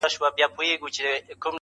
• توروه سترگي ښايستې په خامـوشـۍ كي.